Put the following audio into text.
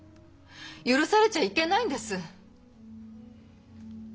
許されちゃいけないんです！